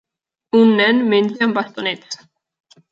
Un nen menja amb bastonets.